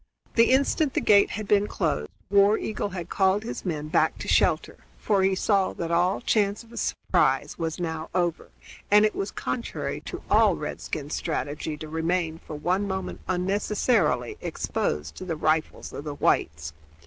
The instant the gate had been closed War Eagle had called his men back to shelter, for he saw that all chance of a surprise was now over, and it was contrary to all redskin strategy to remain for one moment unnecessarily exposed to the rifles of the whites.